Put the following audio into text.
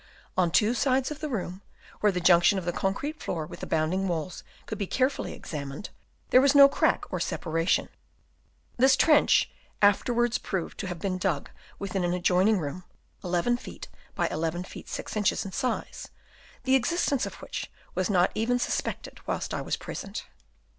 On two sides of the room, where the junction of the concrete floor with the bounding walls could be carefully examined, there was no crack or separation. This trench afterwards proved to have been dug within an adjoining room (11 ft. by 11 ft. 6 in. in size), the existence of which was not even suspected whilst I was present.